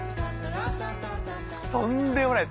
とんでもない！